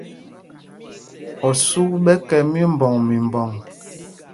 Osûk ɓɛ kɛ́ mímbɔŋ mimbɔŋ.